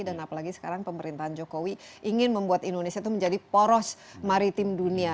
dan apalagi sekarang pemerintahan jokowi ingin membuat indonesia itu menjadi poros maritim dunia